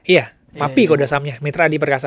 iya mapi kode sahamnya mitra adi perkasa